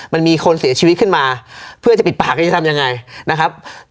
มันมีคนเสียชีวิตขึ้นมาเพื่อจะปิดปากกันจะทำยังไงนะครับ